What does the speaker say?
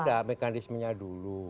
nggak mekanismenya dulu